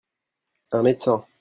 Un médecin.